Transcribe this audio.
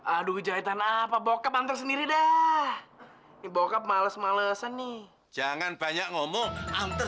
aduh jahitan apa bokap antar sendiri dah bokap males malesan nih jangan banyak ngomong antar